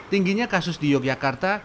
tingginya kasus di yogyakarta